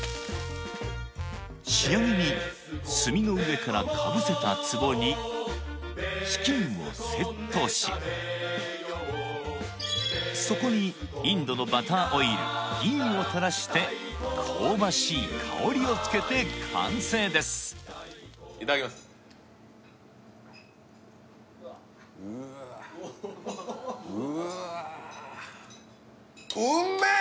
仕上げに炭の上からかぶせたツボにチキンをセットしそこにインドのバターオイルギーを垂らして香ばしい香りをつけて完成ですいただきますうわうわ